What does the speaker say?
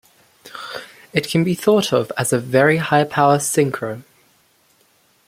It can be thought of as a very high power synchro.